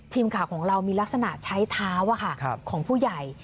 ทีมข่าวของเรามีลักษณะใช้เท้าของผู้ใหญ่